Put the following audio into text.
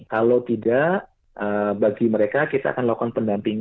kalau tidak bagi mereka kita menggunakan anggaran ini